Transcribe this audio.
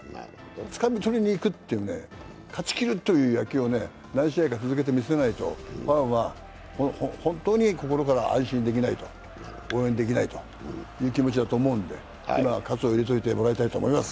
つかみ取りに行く、勝ちきるという野球を何試合か続けて見せないとファンは本当に心から安心できないと、応援できないという気持ちだと思うので今、喝を入れておいていただきたいと思います。